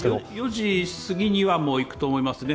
４時すぎには行くと思いますね。